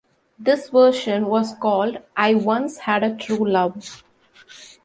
This version was called "I Once Had a True Love".